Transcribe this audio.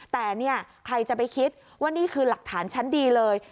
แต่เนี่ยใครจะไปคิดว่านี่คือหลักฐานชั้นดีเลย